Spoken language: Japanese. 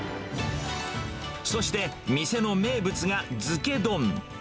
そして店の名物が漬け丼。